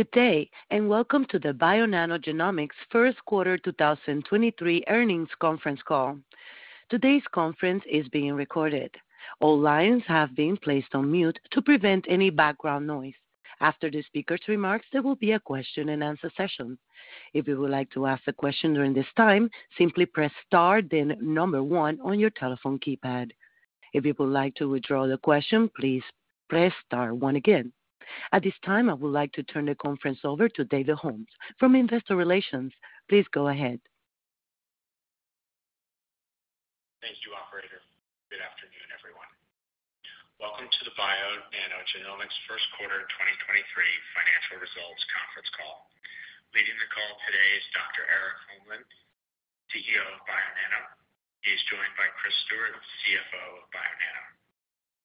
Good day, and welcome to the Bionano Genomics First Quarter 2023 earnings conference call. Today's conference is being recorded. All lines have been placed on mute to prevent any background noise. After the speaker's remarks, there will be a question-and-answer session. If you would like to ask a question during this time, simply press Star, then one on your telephone keypad. If you would like to withdraw the question, please press Star one again. At this time, I would like to turn the conference over to David Holmes from Investor Relations. Please go ahead. Thank you, operator. Good afternoon, everyone. Welcome to the Bionano Genomics First Quarter 2023 financial results conference call. Leading the call today is Dr. Erik Holmlin, CEO of Bionano. He's joined by Chris Stewart, CFO of Bionano.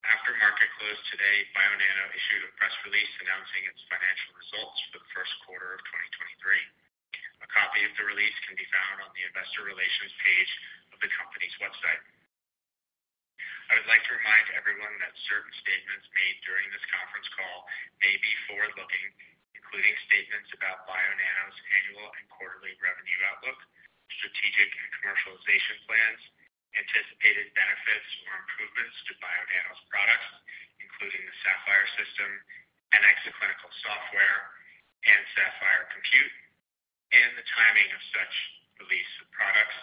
After market closed today, Bionano issued a press release announcing its financial results for the first quarter of 2023. A copy of the release can be found on the investor relations page of the company's website. I would like to remind everyone that certain statements made during this conference call may be forward-looking, including statements about Bionano's annual and quarterly revenue outlook, strategic and commercialization plans, anticipated benefits or improvements to Bionano's products, including the Saphyr system, NxClinical software, and Saphyr Compute, and the timing of such release of products,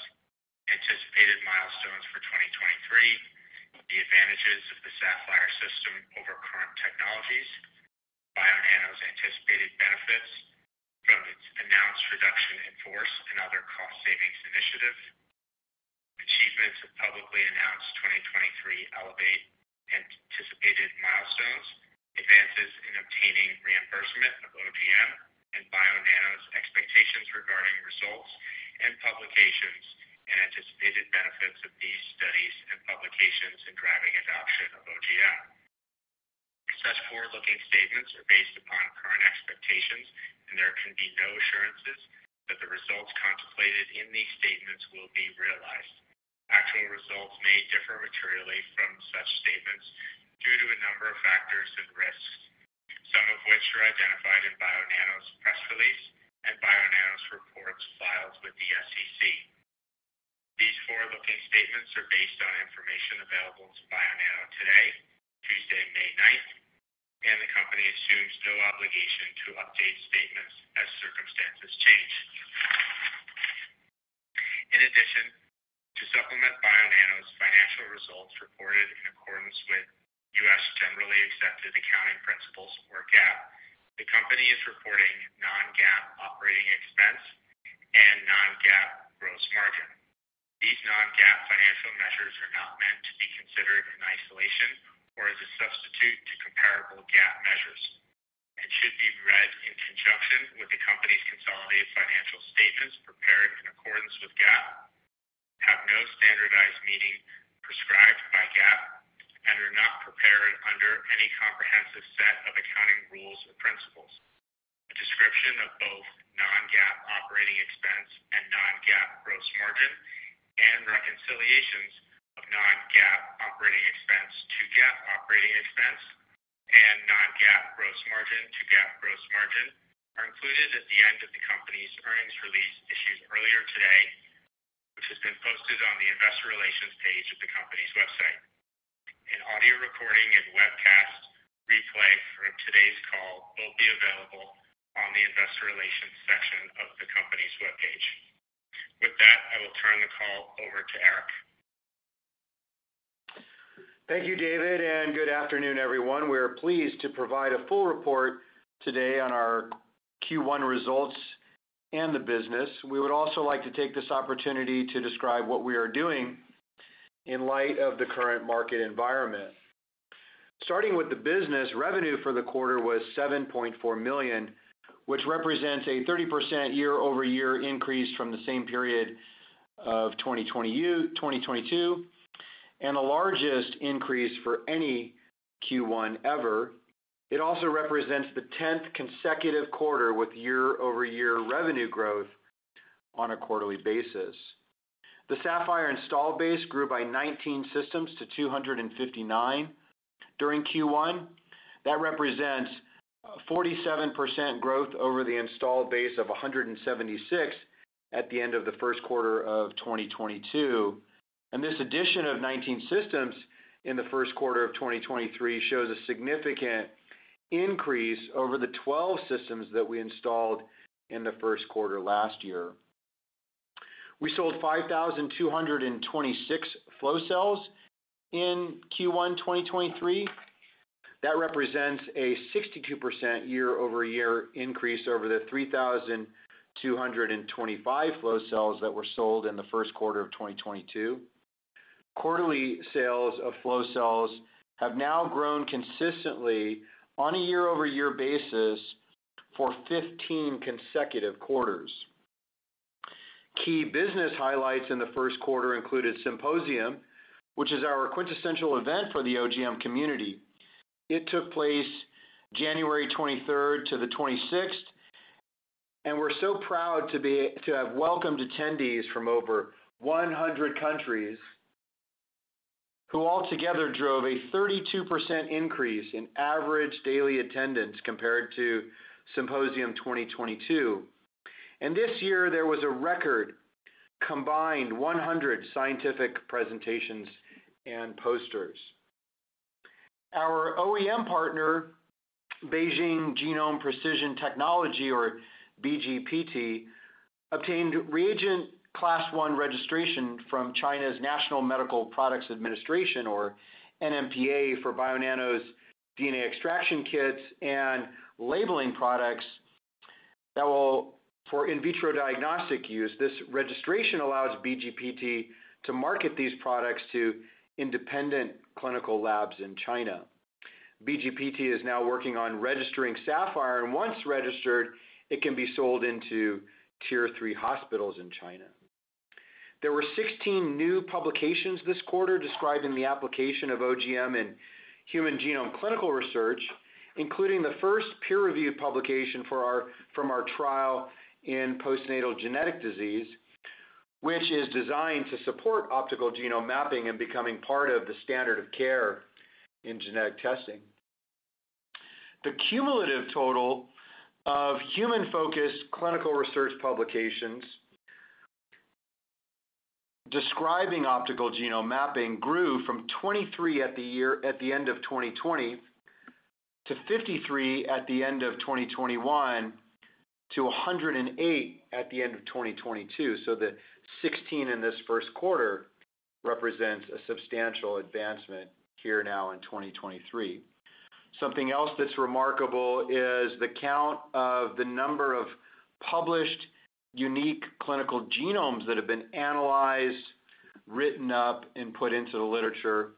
anticipated milestones for 2023, the advantages of the Saphyr system over current technologies, Bionano's anticipated benefits from its announced reduction in force and other cost savings initiatives, achievements of publicly announced 2023 ELEVATE! anticipated milestones, advances in obtaining reimbursement of OGM, and Bionano's expectations regarding results and publications, and anticipated benefits of these studies and publications in driving adoption of OGM. Such forward-looking statements are based upon current expectations, and there can be no assurances that the results contemplated in these statements will be realized. Actual results may differ materially from such statements due to a number of factors and risks, some of which are identified in Bionano's press release and Bionano's reports filed with the SEC. These forward-looking statements are based on information available to Bionano today, Tuesday, May ninth, and the company assumes no obligation to update statements as circumstances change. In addition, to supplement Bionano's financial results reported in accordance with U.S. generally accepted accounting principles or GAAP, the company is reporting non-GAAP operating expense and non-GAAP gross margin. These non-GAAP financial measures are not meant to be considered in isolation or as a substitute to comparable GAAP measures and should be read in conjunction with the company's consolidated financial statements prepared in accordance with GAAP, have no standardized meaning prescribed by GAAP, and are not prepared under any comprehensive set of accounting rules or principles. A description of both non-GAAP operating expense and non-GAAP gross margin, and reconciliations of non-GAAP operating expense to GAAP operating expense and non-GAAP gross margin to GAAP gross margin are included at the end of the company's earnings release issued earlier today, which has been posted on the investor relations page of the company's website. An audio recording and webcast replay from today's call will be available on the investor relations section of the company's webpage. With that, I will turn the call over to Erik. Thank you, David. Good afternoon, everyone. We are pleased to provide a full report today on our Q1 results and the business. We would also like to take this opportunity to describe what we are doing in light of the current market environment. Starting with the business, revenue for the quarter was $7.4 million, which represents a 30% year-over-year increase from the same period of 2022, and the largest increase for any Q1 ever. It also represents the tenth consecutive quarter with year-over-year revenue growth on a quarterly basis. The Saphyr install base grew by 19 systems to 259 during Q1. That represents 47% growth over the installed base of 176 at the end of the first quarter of 2022. This addition of 19 systems in the first quarter of 2023 shows a significant increase over the 12 systems that we installed in the first quarter last year. We sold 5,226 flow cells in Q1 2023. That represents a 62% year-over-year increase over the 3,225 flow cells that were sold in the first quarter of 2022. Quarterly sales of flow cells have now grown consistently on a year-over-year basis for 15 consecutive quarters. Key business highlights in the first quarter included Symposium, which is our quintessential event for the OGM community. It took place January 23rd to the 26th, and we're so proud to have welcomed attendees from over 100 countries who all together drove a 32% increase in average daily attendance compared to Symposium 2022. This year there was a record combined 100 scientific presentations and posters. Our OEM partner, Beijing Genome Precision Technology, or BGPT, obtained reagent class three registration from China's National Medical Products Administration, or NMPA, for Bionano's DNA extraction kits and labeling products for in vitro diagnostic use. This registration allows BGPT to market these products to independent clinical labs in China. BGPT is now working on registering Saphyr, and once registered, it can be sold into tier three hospitals in China. There were 16 new publications this quarter describing the application of OGM in human genome clinical research, including the first peer-reviewed publication from our trial in postnatal genetic disease, which is designed to support optical genome mapping and becoming part of the standard of care in genetic testing. The cumulative total of human-focused clinical research publications describing optical genome mapping grew from 23 at the end of 2020, to 53 at the end of 2021, to 108 at the end of 2022. The 16 in this first quarter represents a substantial advancement here now in 2023. Something else that's remarkable is the count of the number of published unique clinical genomes that have been analyzed, written up, and put into the literature.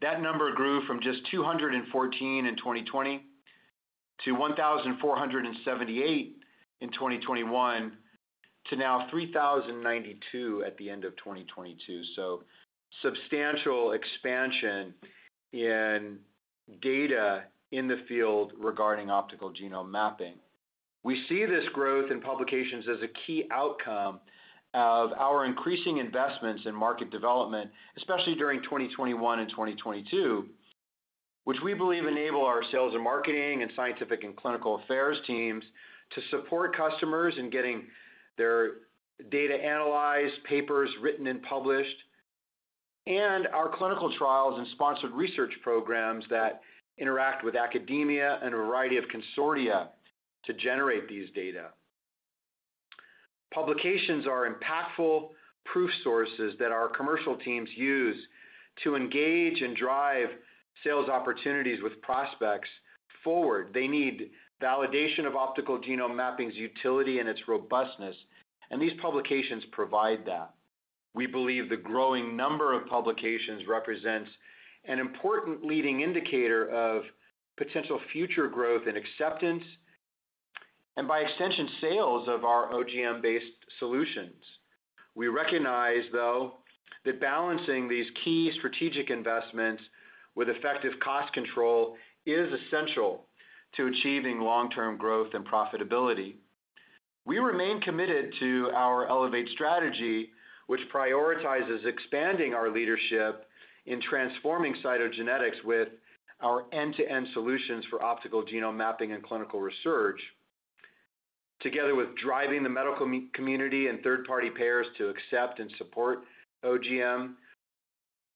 That number grew from just 214 in 2020, to 1,478 in 2021, to now 3,092 at the end of 2022. Substantial expansion in data in the field regarding optical genome mapping. We see this growth in publications as a key outcome of our increasing investments in market development, especially during 2021 and 2022, which we believe enable our sales and marketing, and scientific and clinical affairs teams to support customers in getting their data analyzed, papers written and published, and our clinical trials and sponsored research programs that interact with academia and a variety of consortia to generate these data. Publications are impactful proof sources that our commercial teams use to engage and drive sales opportunities with prospects forward. They need validation of optical genome mapping's utility and its robustness, and these publications provide that. We believe the growing number of publications represents an important leading indicator of potential future growth and acceptance, and by extension, sales of our OGM-based solutions. We recognize, though, that balancing these key strategic investments with effective cost control is essential to achieving long-term growth and profitability. We remain committed to our ELEVATE! strategy, which prioritizes expanding our leadership in transforming cytogenetics with our end-to-end solutions for optical genome mapping and clinical research, together with driving the medical community and third-party payers to accept and support OGM,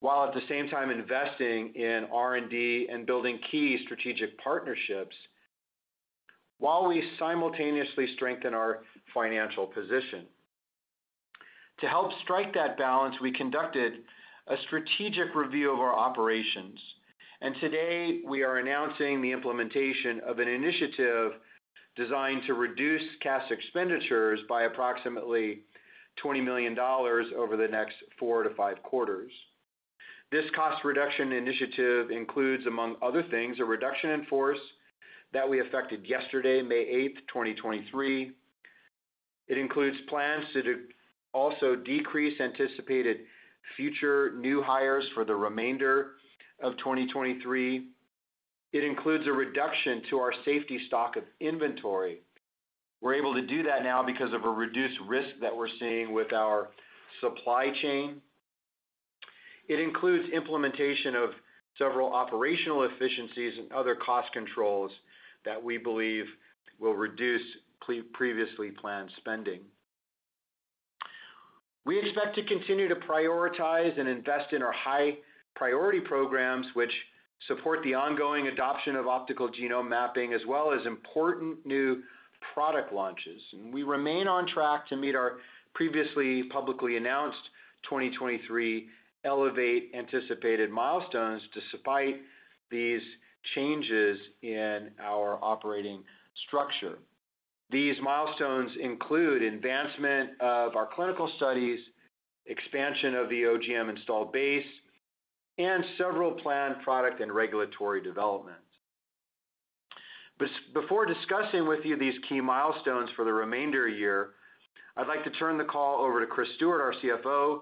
while at the same time investing in R&D and building key strategic partnerships, while we simultaneously strengthen our financial position. To help strike that balance, we conducted a strategic review of our operations. Today, we are announcing the implementation of an initiative designed to reduce cash expenditures by approximately $20 million over the next four to five quarters. This cost reduction initiative includes, among other things, a reduction in force that we effected yesterday, May eighth, 2023. It includes plans to also decrease anticipated future new hires for the remainder of 2023. It includes a reduction to our safety stock of inventory. We're able to do that now because of a reduced risk that we're seeing with our supply chain. It includes implementation of several operational efficiencies and other cost controls that we believe will reduce previously planned spending. We expect to continue to prioritize and invest in our high priority programs, which support the ongoing adoption of optical genome mapping, as well as important new product launches. We remain on track to meet our previously publicly announced 2023 ELEVATE! anticipated milestones despite these changes in our operating structure. These milestones include advancement of our clinical studies, expansion of the OGM installed base, and several planned product and regulatory developments. Before discussing with you these key milestones for the remainder year, I'd like to turn the call over to Chris Stewart, our CFO,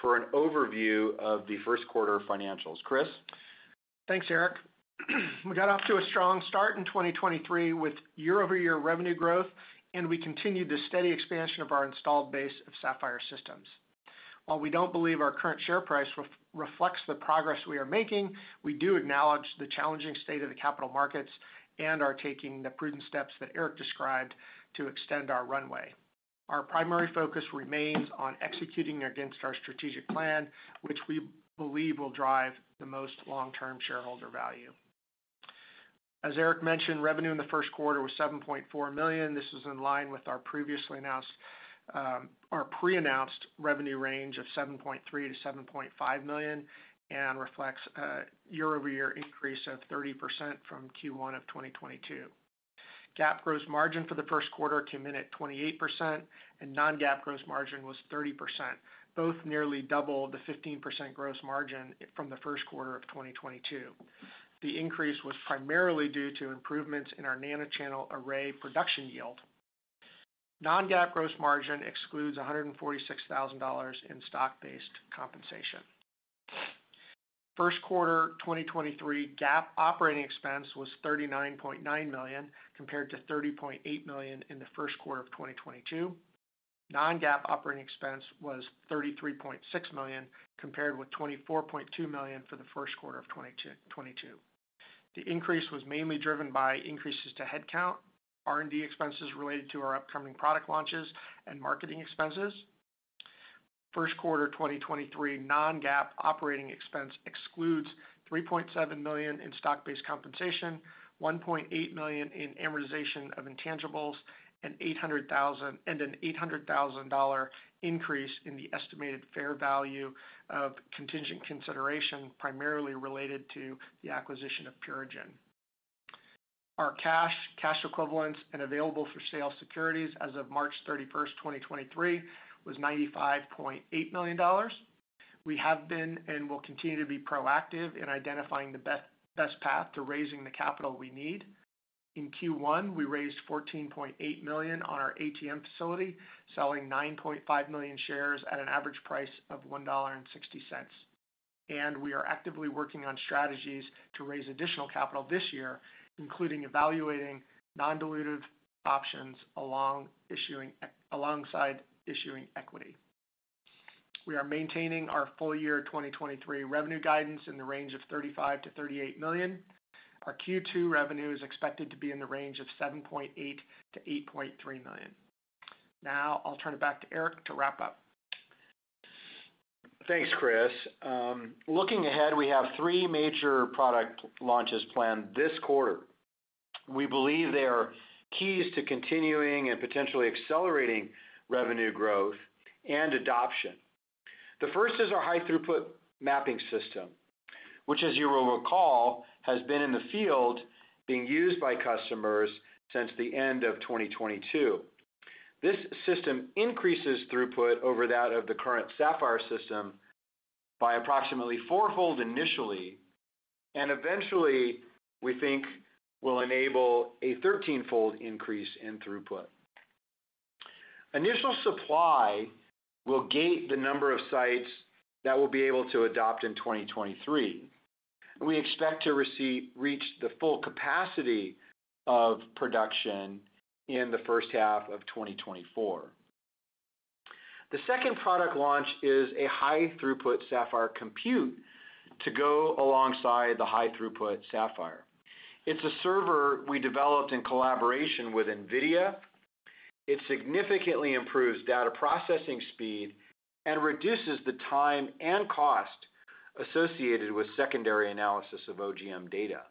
for an overview of the first quarter financials. Chris? Thanks, Erik. We got off to a strong start in 2023 with year-over-year revenue growth, and we continued the steady expansion of our installed base of Saphyr systems. While we don't believe our current share price reflects the progress we are making, we do acknowledge the challenging state of the capital markets and are taking the prudent steps that Erik described to extend our runway. Our primary focus remains on executing against our strategic plan, which we believe will drive the most long-term shareholder value. As Erik mentioned, revenue in the first quarter was $7.4 million. This is in line with our previously announced, our pre-announced revenue range of $7.3 million-$7.5 million, and reflects a year-over-year increase of 30% from Q1 of 2022. GAAP gross margin for the first quarter came in at 28%, and non-GAAP gross margin was 30%, both nearly double the 15% gross margin from the first quarter of 2022. The increase was primarily due to improvements in our nanochannel array production yield. Non-GAAP gross margin excludes $146,000 in stock-based compensation. First quarter 2023 GAAP operating expense was $39.9 million, compared to $30.8 million in the first quarter of 2022. Non-GAAP operating expense was $33.6 million, compared with $24.2 million for the first quarter of 2022. The increase was mainly driven by increases to headcount, R&D expenses related to our upcoming product launches and marketing expenses. First quarter 2023 non-GAAP operating expense excludes $3.7 million in stock-based compensation, $1.8 million in amortization of intangibles, and an $800,000 increase in the estimated fair value of contingent consideration, primarily related to the acquisition of Purigen. Our cash equivalents, and available for sale securities as of March 31st, 2023, was $95.8 million. We have been and will continue to be proactive in identifying the best path to raising the capital we need. In Q1, we raised $14.8 million on our ATM facility, selling 9.5 million shares at an average price of $1.60. We are actively working on strategies to raise additional capital this year, including evaluating non-dilutive options alongside issuing equity. We are maintaining our full year 2023 revenue guidance in the range of $35 million-$38 million. Our Q2 revenue is expected to be in the range of $7.8 million-$8.3 million. I'll turn it back to Erik to wrap up. Thanks, Chris. Looking ahead, we have three major product launches planned this quarter. We believe they are keys to continuing and potentially accelerating revenue growth and adoption. The first is our high throughput mapping system, which as you will recall, has been in the field being used by customers since the end of 2022. This system increases throughput over that of the current Saphyr system by approximately four-fold initially, and eventually, we think will enable a 13-fold increase in throughput. Initial supply will gate the number of sites that we'll be able to adopt in 2023. We expect to reach the full capacity of production in the first half of 2024. The second product launch is a high throughput Saphyr Compute to go alongside the high throughput Saphyr. It's a server we developed in collaboration with NVIDIA. It significantly improves data processing speed and reduces the time and cost associated with secondary analysis of OGM data.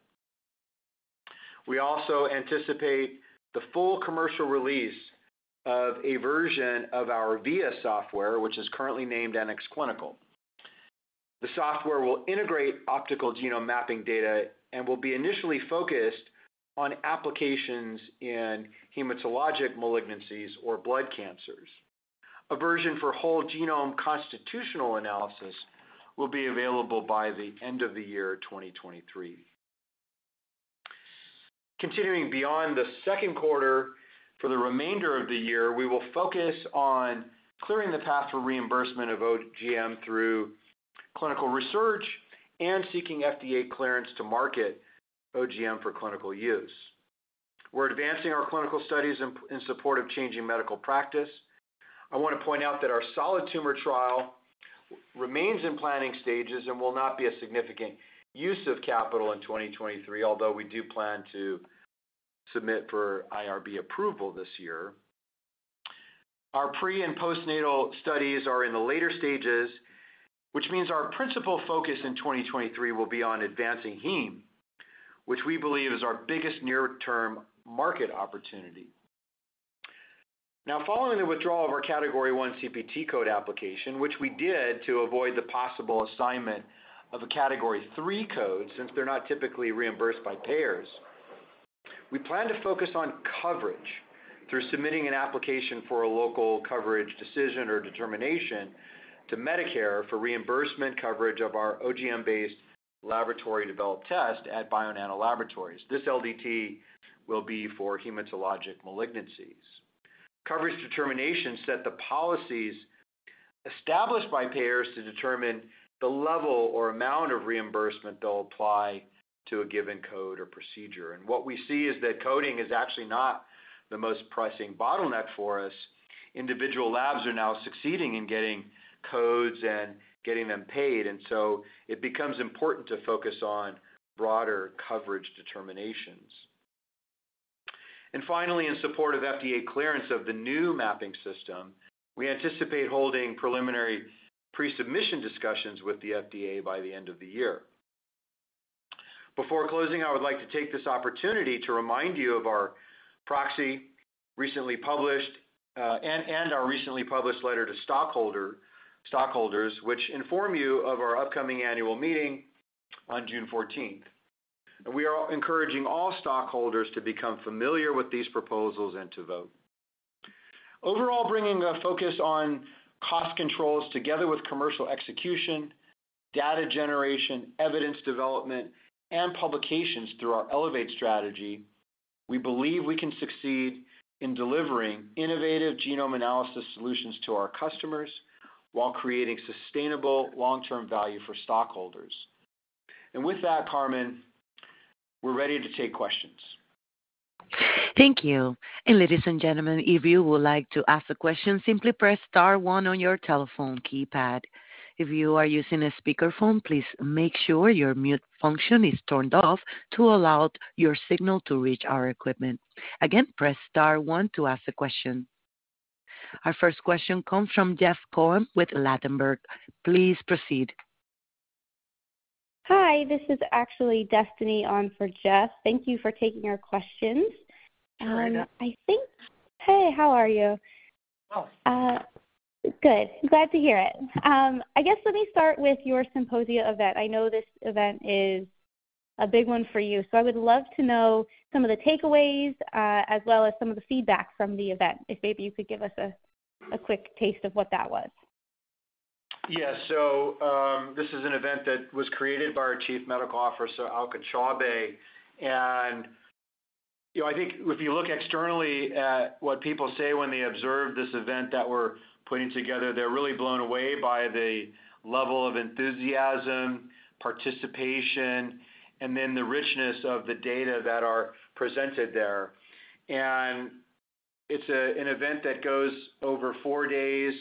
We also anticipate the full commercial release of a version of our VIA software, which is currently named NxClinical. The software will integrate optical genome mapping data, and will be initially focused on applications in hematologic malignancies or blood cancers. A version for whole genome constitutional analysis will be available by the end of the year 2023. Continuing beyond the second quarter, for the remainder of the year, we will focus on clearing the path for reimbursement of OGM through clinical research and seeking FDA clearance to market OGM for clinical use. We're advancing our clinical studies in support of changing medical practice. I want to point out that our solid tumor trial remains in planning stages and will not be a significant use of capital in 2023, although we do plan to submit for IRB approval this year. Our pre- and postnatal studies are in the later stages, which means our principal focus in 2023 will be on advancing heme, which we believe is our biggest near-term market opportunity. Following the withdrawal of our Category I CPT code application, which we did to avoid the possible assignment of a Category III code, since they're not typically reimbursed by payers, we plan to focus on coverage through submitting an application for a local coverage decision or determination to Medicare for reimbursement coverage of our OGM-based laboratory developed test at Bionano Laboratories. This LDT will be for hematologic malignancies. Coverage determinations set the policies established by payers to determine the level or amount of reimbursement they'll apply to a given code or procedure. What we see is that coding is actually not the most pressing bottleneck for us. Individual labs are now succeeding in getting codes and getting them paid, and so it becomes important to focus on broader coverage determinations. Finally, in support of FDA clearance of the new mapping system, we anticipate holding preliminary pre-submission discussions with the FDA by the end of the year. Before closing, I would like to take this opportunity to remind you of our proxy, recently published, and our recently published letter to stockholders, which inform you of our upcoming annual meeting on June 14th. We are encouraging all stockholders to become familiar with these proposals and to vote. Overall, bringing a focus on cost controls together with commercial execution, data generation, evidence development, and publications through our ELEVATE strategy, we believe we can succeed in delivering innovative genome analysis solutions to our customers while creating sustainable long-term value for stockholders. With that, Carmen, we're ready to take questions. Thank you. Ladies and gentlemen, if you would like to ask a question, simply press star one on your telephone keypad. If you are using a speakerphone, please make sure your mute function is turned off to allow your signal to reach our equipment. Again, press star one to ask a question. Our first question comes from Jeff Cohen with Ladenburg. Please proceed. Hi, this is actually Destiny on for Jeff. Thank you for taking our questions. How are you? Hey, how are you? Well. Good. Glad to hear it. I guess let me start with your Symposia event. I know this event is a big one for you. I would love to know some of the takeaways, as well as some of the feedback from the event, if maybe you could give us a quick taste of what that was. This is an event that was created by our Chief Medical Officer, Alka Chaubey. You know, I think if you look externally at what people say when they observe this event that we're putting together, they're really blown away by the level of enthusiasm, participation, and then the richness of the data that are presented there. It's an event that goes over four days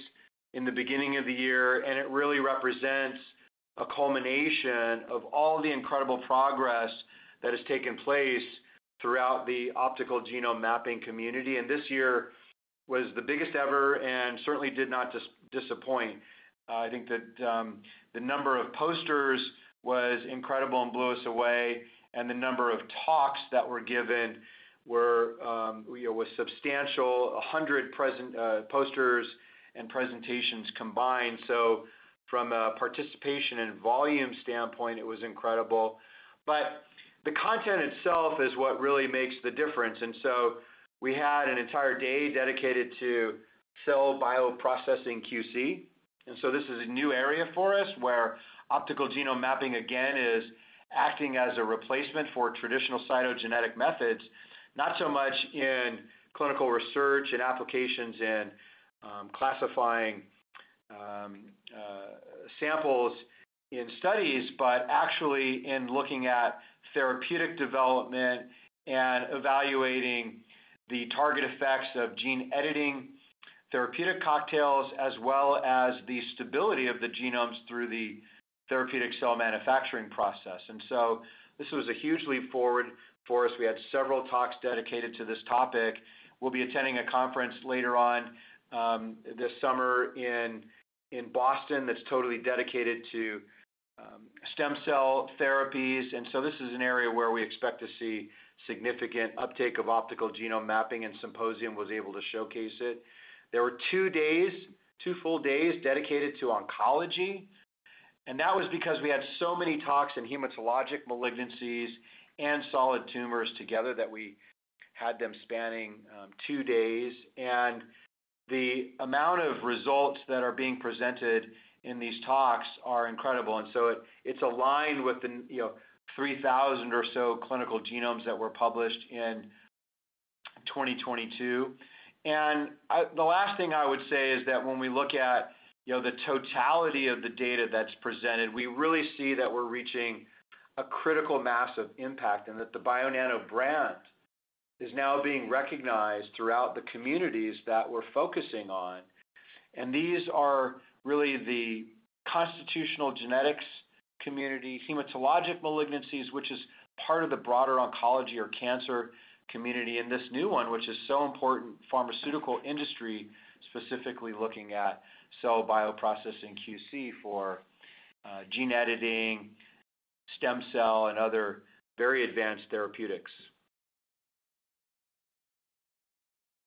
in the beginning of the year, and it really represents a culmination of all the incredible progress that has taken place throughout the optical genome mapping community. This year was the biggest ever and certainly did not disappoint. I think that the number of posters was incredible and blew us away, and the number of talks that were given were, you know, was substantial, 100 posters and presentations combined. From a participation and volume standpoint, it was incredible. The content itself is what really makes the difference, we had an entire day dedicated to cell bioprocessing QC. This is a new area for us, where optical genome mapping, again, is acting as a replacement for traditional cytogenetic methods, not so much in clinical research and applications in classifying samples in studies, but actually in looking at therapeutic development and evaluating the target effects of gene editing, therapeutic cocktails, as well as the stability of the genomes through the therapeutic cell manufacturing process. This was a huge leap forward for us. We had several talks dedicated to this topic. We'll be attending a conference later on this summer in Boston that's totally dedicated to stem cell therapies. This is an area where we expect to see significant uptake of optical genome mapping, and Symposium was able to showcase it. There were two days, two full days dedicated to oncology, and that was because we had so many talks in hematologic malignancies and solid tumors together that we had them spanning two days. The amount of results that are being presented in these talks are incredible. It, it's aligned with you know, 3,000 or so clinical genomes that were published in 2022. The last thing I would say is that when we look at, you know, the totality of the data that's presented, we really see that we're reaching a critical mass of impact and that the Bionano brand is now being recognized throughout the communities that we're focusing on. These are really the constitutional genetics community, hematologic malignancies, which is part of the broader oncology or cancer community. This new one, which is so important, pharmaceutical industry, specifically looking at cell bioprocessing QC for gene editing, stem cell, and other very advanced therapeutics.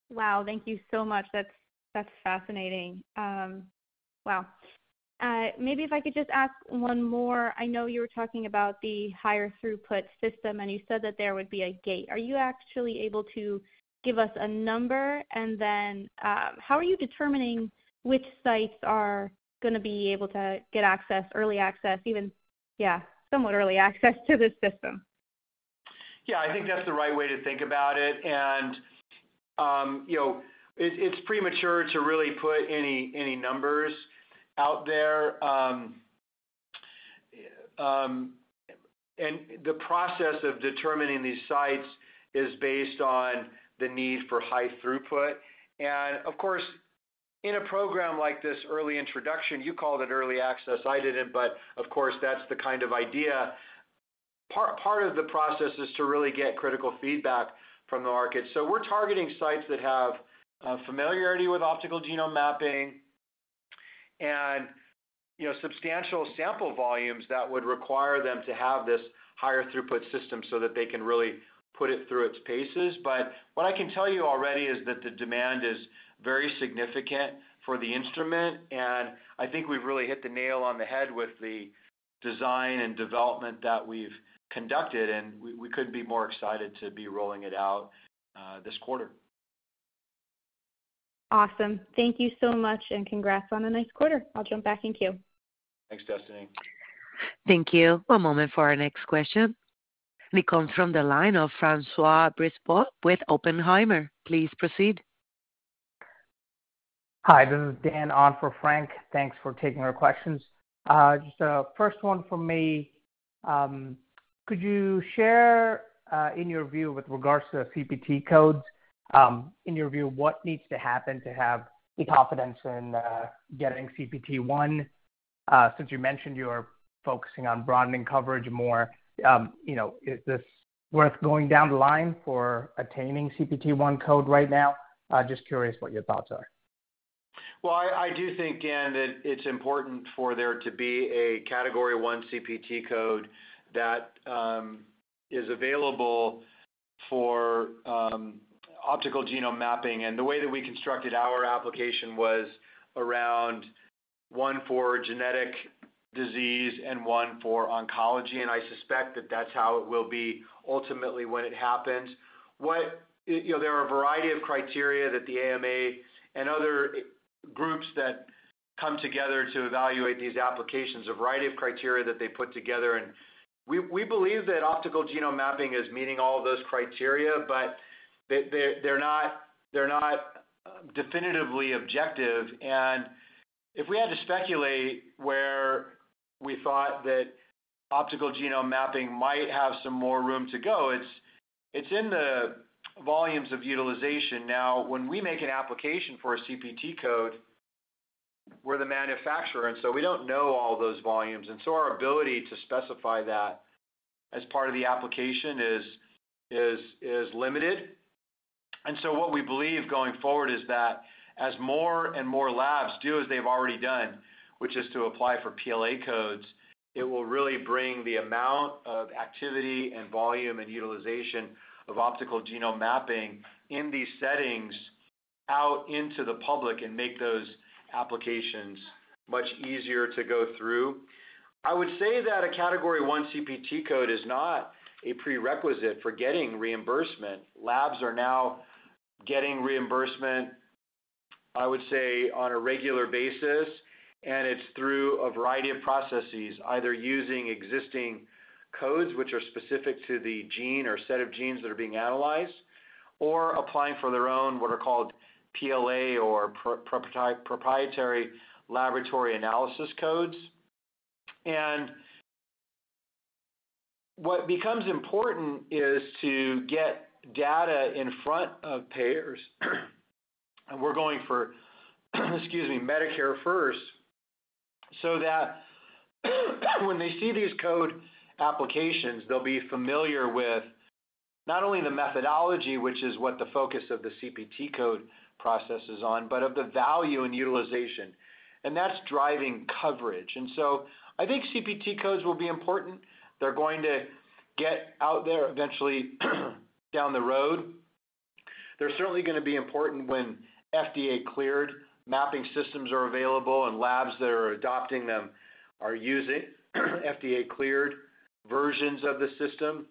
Wow. Thank you so much. That's fascinating. Wow. Maybe if I could just ask one more. I know you were talking about the higher throughput system, and you said that there would be a gate. Are you actually able to give us a number? How are you determining which sites are gonna be able to get access, early access even, somewhat early access to this system? Yeah, I think that's the right way to think about it. You know, it's premature to really put any numbers out there. The process of determining these sites is based on the need for high throughput. Of course, in a program like this early introduction, you called it early access, I didn't, but of course, that's the kind of idea. Part of the process is to really get critical feedback from the market. We're targeting sites that have familiarity with optical genome mapping and, you know, substantial sample volumes that would require them to have this higher throughput system so that they can really put it through its paces. What I can tell you already is that the demand is very significant for the instrument, and I think we've really hit the nail on the head with the design and development that we've conducted, and we couldn't be more excited to be rolling it out, this quarter. Awesome. Thank you so much, and congrats on a nice quarter. I'll jump back in queue. Thanks, Destiny. Thank you. One moment for our next question. It comes from the line of François Brisebois with Oppenheimer. Please proceed. Hi, this is Dan on for Frank. Thanks for taking our questions. Just first one from me. Could you share, in your view with regards to CPT codes, in your view, what needs to happen to have the confidence in getting CPT 1, since you mentioned you're focusing on broadening coverage more, you know, is this worth going down the line for attaining CPT 1 code right now? Just curious what your thoughts are. I do think, Dan, that it's important for there to be a Category I CPT code that is available for optical genome mapping. The way that we constructed our application was around one for genetic disease and one for oncology. I suspect that that's how it will be ultimately when it happens. You know, there are a variety of criteria that the AMA and other groups that come together to evaluate these applications, a variety of criteria that they put together. We believe that optical genome mapping is meeting all of those criteria, but they're not definitively objective. If we had to speculate where we thought that optical genome mapping might have some more room to go, it's in the volumes of utilization. When we make an application for a CPT code, we're the manufacturer, we don't know all those volumes, our ability to specify that as part of the application is limited. What we believe going forward is that as more and more labs do as they've already done, which is to apply for PLA codes, it will really bring the amount of activity and volume and utilization of optical genome mapping in these settings out into the public and make those applications much easier to go through. I would say that a Category I CPT code is not a prerequisite for getting reimbursement. Labs are now getting reimbursement, I would say, on a regular basis, and it's through a variety of processes, either using existing codes, which are specific to the gene or set of genes that are being analyzed, or applying for their own, what are called PLA or pro-proprietary laboratory analysis codes. What becomes important is to get data in front of payers, and we're going for, excuse me, Medicare first, so that when they see these code applications, they'll be familiar with not only the methodology, which is what the focus of the CPT code process is on, but of the value and utilization. That's driving coverage. I think CPT codes will be important. They're going to get out there eventually down the road. They're certainly gonna be important when FDA-cleared mapping systems are available and labs that are adopting them are using FDA-cleared versions of the system.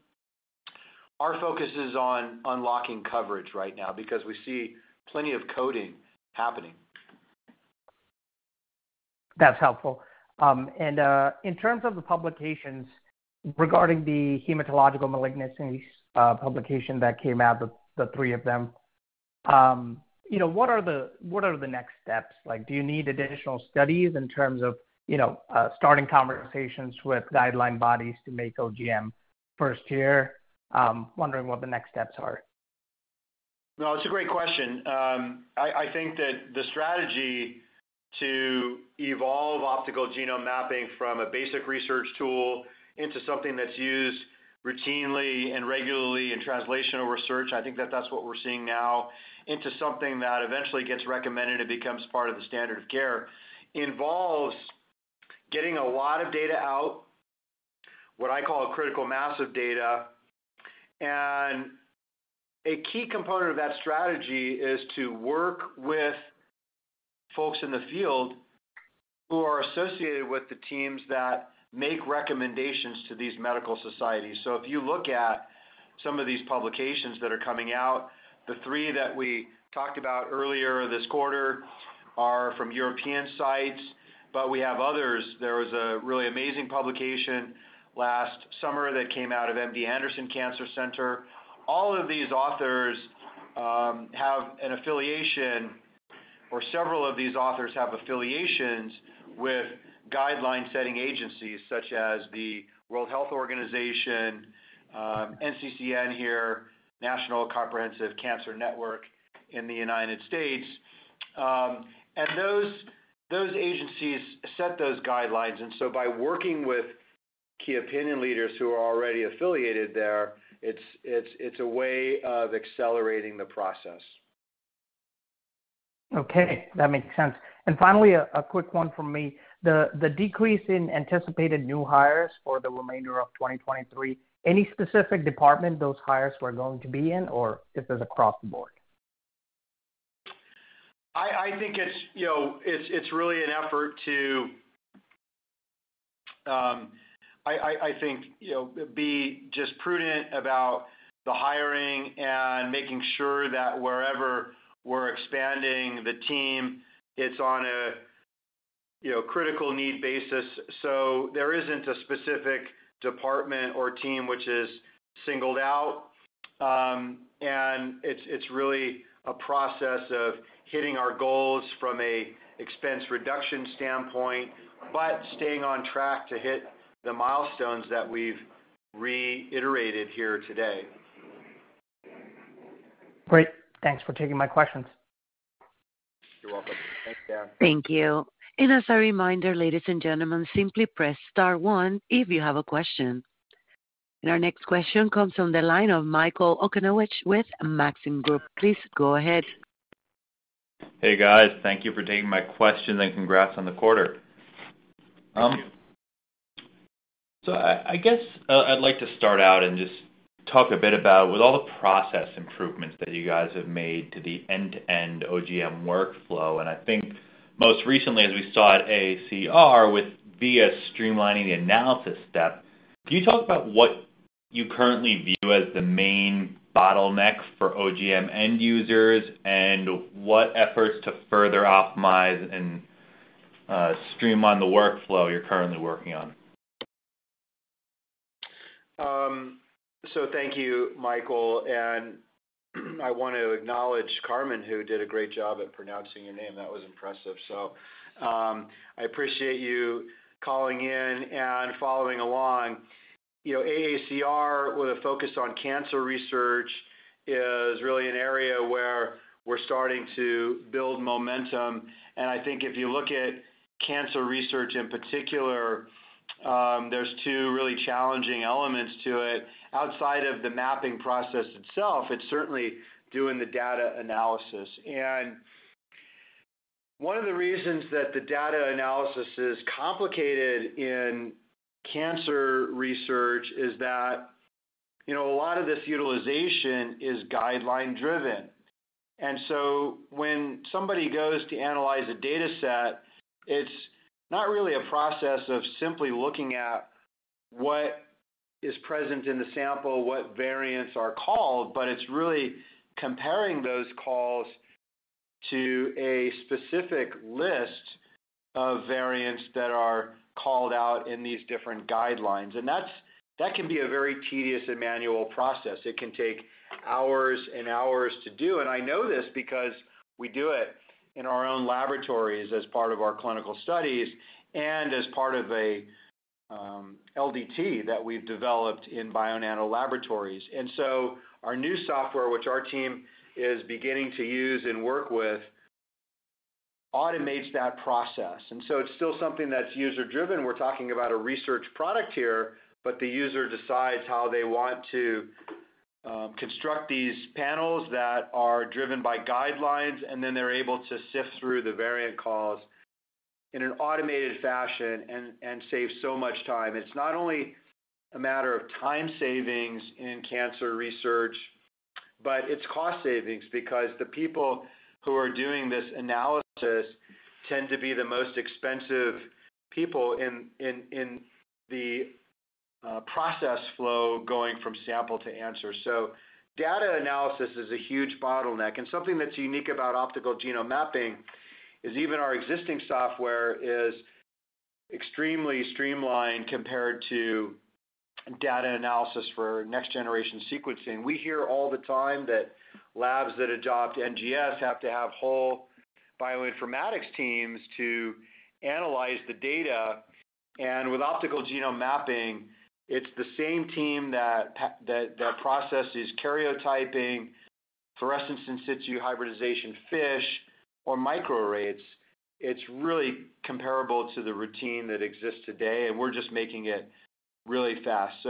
Our focus is on unlocking coverage right now because we see plenty of coding happening. That's helpful. In terms of the publications regarding the hematological malignancies, publication that came out, the three of them, you know, what are the, what are the next steps? Like, do you need additional studies in terms of, you know, starting conversations with guideline bodies to make OGM first year? wondering what the next steps are. No, it's a great question. I think that the strategy to evolve optical genome mapping from a basic research tool into something that's used routinely and regularly in translational research, I think that that's what we're seeing now, into something that eventually gets recommended and becomes part of the standard of care, involves getting a lot of data out, what I call a critical mass of data. A key component of that strategy is to work with folks in the field who are associated with the teams that make recommendations to these medical societies. If you look at some of these publications that are coming out, the three that we talked about earlier this quarter are from European sites, but we have others. There was a really amazing publication last summer that came out of MD Anderson Cancer Center. All of these authors have an affiliation, or several of these authors have affiliations with guideline setting agencies such as the World Health Organization, NCCN here, National Comprehensive Cancer Network in the United States. Those, those agencies set those guidelines, and so by working with key opinion leaders who are already affiliated there, it's a way of accelerating the process. Okay. That makes sense. Finally, a quick one from me. The decrease in anticipated new hires for the remainder of 2023, any specific department those hires were going to be in or if it's across the board? I think it's, you know, it's really an effort to, I think, you know, be just prudent about the hiring and making sure that wherever we're expanding the team, it's on a, you know, critical need basis. There isn't a specific department or team which is singled out, and it's really a process of hitting our goals from a expense reduction standpoint, but staying on track to hit the milestones that we've reiterated here today. Great. Thanks for taking my questions. You're welcome. Thanks, Dan. Thank you. As a reminder, ladies and gentlemen, simply press star one if you have a question. Our next question comes from the line of Michael Okunewitch with Maxim Group. Please go ahead. Hey, guys. Thank you for taking my questions. Congrats on the quarter. Thank you. I guess, I'd like to start out and just talk a bit about, with all the process improvements that you guys have made to the end-to-end OGM workflow, and I think most recently as we saw at AACR with VIA streamlining the analysis step, can you talk about what you currently view as the main bottleneck for OGM end users and what efforts to further optimize and streamline the workflow you're currently working on? Thank you, Michael, and I want to acknowledge Carmen, who did a great job at pronouncing your name. That was impressive. I appreciate you calling in and following along. You know, AACR, with a focus on cancer research, is really an area where we're starting to build momentum. I think if you look at cancer research in particular, there's two really challenging elements to it. Outside of the mapping process itself, it's certainly doing the data analysis. One of the reasons that the data analysis is complicated in cancer research is that, you know, a lot of this utilization is guideline-driven. When somebody goes to analyze a data set, it's not really a process of simply looking at what is present in the sample, what variants are called, but it's really comparing those calls to a specific list of variants that are called out in these different guidelines. That can be a very tedious and manual process. It can take hours and hours to do. I know this because we do it in our own laboratories as part of our clinical studies and as part of an LDT that we've developed in Bionano Laboratories. Our new software, which our team is beginning to use and work with, automates that process. It's still something that's user-driven. We're talking about a research product here. The user decides how they want to construct these panels that are driven by guidelines, and then they're able to sift through the variant calls in an automated fashion and save so much time. It's not only a matter of time savings in cancer research, but it's cost savings because the people who are doing this analysis tend to be the most expensive people in the process flow going from sample to answer. Data analysis is a huge bottleneck, and something that's unique about optical genome mapping is even our existing software is extremely streamlined compared to data analysis for next-generation sequencing. We hear all the time that labs that adopt NGS have to have whole bioinformatics teams to analyze the data. With optical genome mapping, it's the same team that processes karyotyping, fluorescence in situ hybridization, FISH, or microarrays. It's really comparable to the routine that exists today, and we're just making it really fast.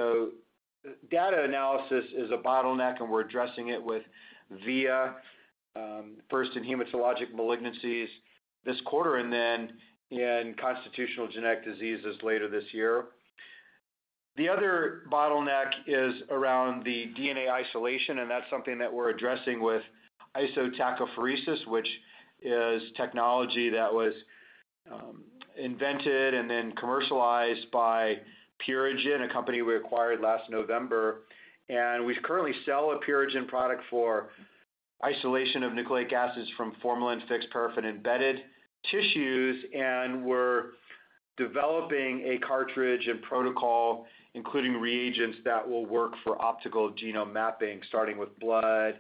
Data analysis is a bottleneck, and we're addressing it with VIA, first in hematologic malignancies this quarter and then in constitutional genetic diseases later this year. The other bottleneck is around the DNA isolation, and that's something that we're addressing with isotachophoresis, which is technology that was invented and then commercialized by Purigen, a company we acquired last November. We currently sell a Purigen product for isolation of nucleic acids from formalin-fixed paraffin-embedded tissues, and we're developing a cartridge and protocol, including reagents that will work for optical genome mapping, starting with blood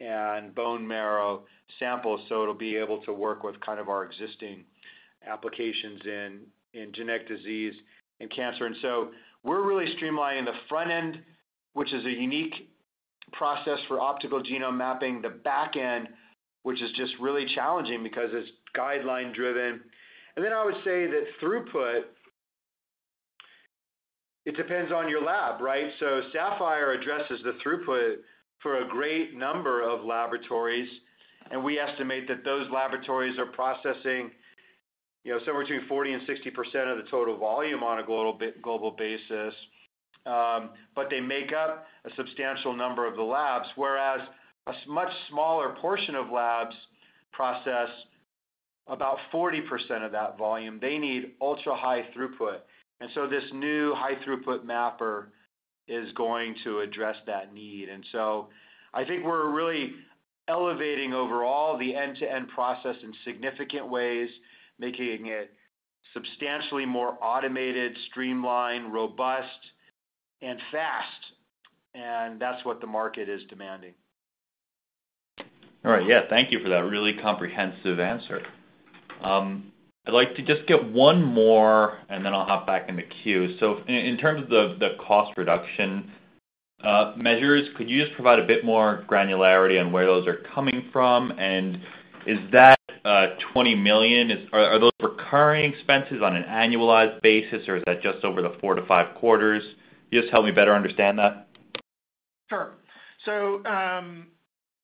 and bone marrow samples. It'll be able to work with kind of our existing applications in genetic disease and cancer. We're really streamlining the front end, which is a unique process for optical genome mapping, the back end, which is just really challenging because it's guideline-driven. I would say that throughput, it depends on your lab, right? Saphyr addresses the throughput for a great number of laboratories, and we estimate that those laboratories are processing, you know, somewhere between 40% and 60% of the total volume on a global basis, but they make up a substantial number of the labs, whereas a much smaller portion of labs process about 40% of that volume. They need ultra-high throughput. This new high-throughput mapper is going to address that need. I think we're really elevating overall the end-to-end process in significant ways, making it substantially more automated, streamlined, robust, and fast. That's what the market is demanding. All right. Yeah, thank you for that really comprehensive answer. I'd like to just get one more and then I'll hop back in the queue. In terms of the cost reduction measures, could you just provide a bit more granularity on where those are coming from? Is that $20 million, are those recurring expenses on an annualized basis, or is that just over the four to five quarters? Just help me better understand that. Sure.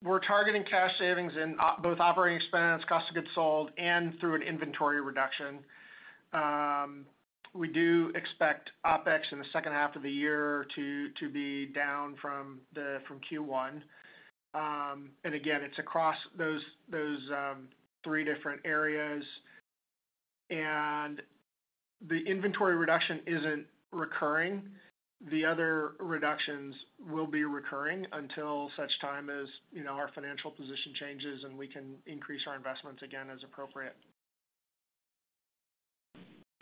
We're targeting cash savings in both operating expense, cost of goods sold, and through an inventory reduction. We do expect OpEx in the second half of the year to be down from Q1. Again, it's across those three different areas. The inventory reduction isn't recurring. The other reductions will be recurring until such time as, you know, our financial position changes and we can increase our investments again as appropriate.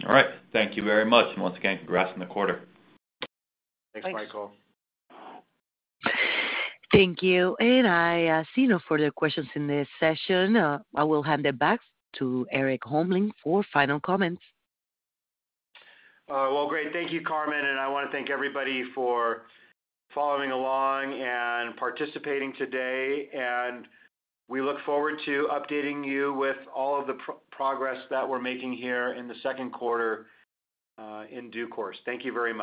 All right. Thank you very much. Once again, congrats on the quarter. Thanks. Thanks, Michael. Thank you. I see no further questions in this session. I will hand it back to Erik Holmlin for final comments. Well, great. Thank you, Carmen. I want to thank everybody for following along and participating today. We look forward to updating you with all of the progress that we are making here in the second quarter in due course. Thank you very much.